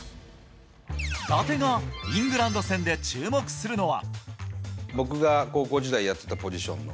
伊達がイングランド戦で注目するのは。